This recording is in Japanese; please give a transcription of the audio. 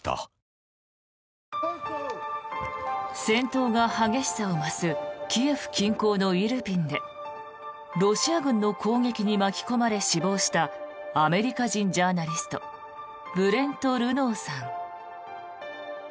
戦闘が激しさを増すキエフ近郊のイルピンでロシア軍の攻撃に巻き込まれ死亡したアメリカ人ジャーナリストブレント・ルノーさん。